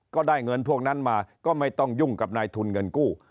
ก็ได้เงินพวกนั้นมาก็ไม่ต้องยุ่งกับนายทุนเงินกู้